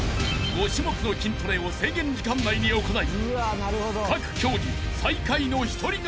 ［５種目の筋トレを制限時間内に行い］